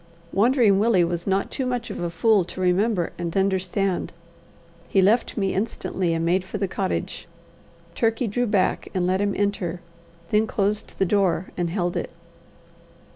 Wandering Willie was not too much a fool to remember and understand. He left me instantly, and made for the cottage. Turkey drew back and let him enter, then closed the door, and held it.